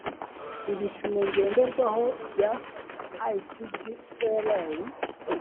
ibipimo ngenderwaho bya icglr